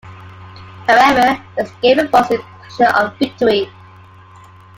However, this gave a false impression of victory.